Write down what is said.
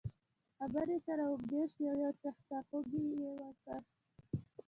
خبرې یې سره اوږدې شوې او یو څه سرخوږی یې ورکړ.